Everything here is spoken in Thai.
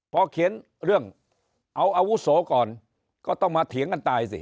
พอเขียนเรื่องเอาอาวุโสก่อนก็ต้องมาเถียงกันตายสิ